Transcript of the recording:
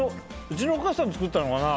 うちのお母さんが作ったのかな。